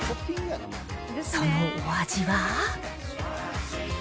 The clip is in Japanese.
そのお味は？